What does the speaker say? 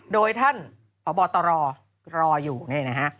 โดยท่านพระบอตรอรออยู่ไงนะฮะ